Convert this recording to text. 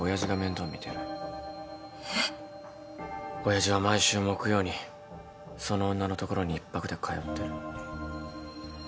親父は毎週木曜にその女のところに一泊で通ってる。